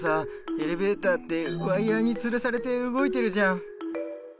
エレベーターってワイヤーにつるされて動いてるじゃん。